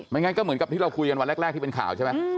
งั้นก็เหมือนกับที่เราคุยกันวันแรกที่เป็นข่าวใช่ไหม